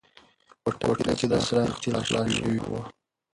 په کوټه کې د څراغ تېل خلاص شوي وو.